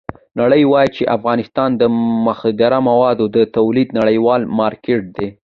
نړۍ وایي چې افغانستان د مخدره موادو د تولید نړیوال مارکېټ دی.